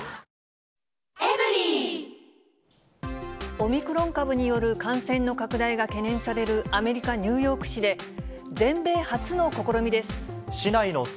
オミクロン株による感染の拡大が懸念されるアメリカ・ニューヨーク市で、全米初の試みです。